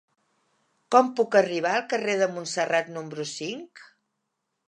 Com puc arribar al carrer de Montserrat número cinc?